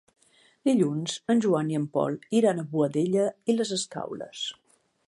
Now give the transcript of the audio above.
Dilluns en Joan i en Pol iran a Boadella i les Escaules.